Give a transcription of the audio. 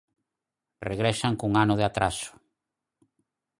Regresan cun ano de atraso.